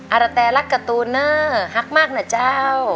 อารแตรักการ์ตูนเนอร์ฮักมากนะเจ้า